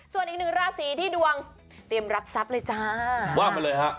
ส่วนอีกหนึ่งราศีที่ดวงเตรียมรับทรัพย์เลยจ้าว่ามาเลยฮะ